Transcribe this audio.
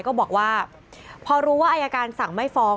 ก็บอกว่าพอรู้ว่าอายการสั่งไม่ฟ้อง